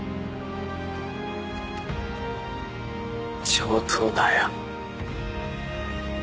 上等だよ。